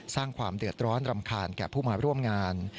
สร้างความเดือดร้อนรำคาญแก่ผู้มาร่วมงาน